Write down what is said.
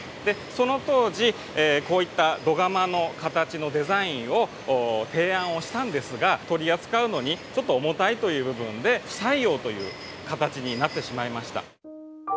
その当時こういった土釜の形のデザインを提案をしたんですが取り扱うのにちょっと重たいという部分で不採用という形になってしまいました。